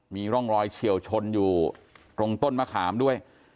มีร่องรอยเฉียวชนอยู่ตรงต้นมะขามด้วย